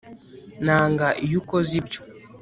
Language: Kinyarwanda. nanga iyo ukoze ibyo